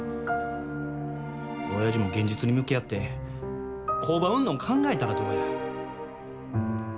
おやじも現実に向き合って工場、売んの考えたら、どうや。